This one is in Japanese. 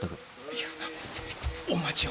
いやお待ちを。